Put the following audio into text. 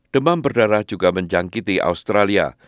demam berdarah juga menjangkiti australia